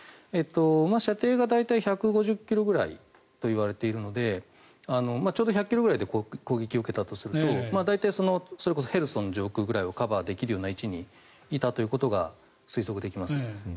射程が大体１５０ｋｍくらいといわれているのでちょうど１００ｋｍぐらいで攻撃を受けたとすると大体、それこそヘルソン上空をカバーできる位置にいたということが推測できます。